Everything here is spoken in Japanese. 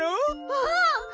うん！